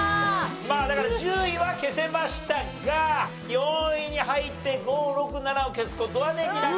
まあだから１０位は消せましたが４位に入って５６７を消す事はできなかったと。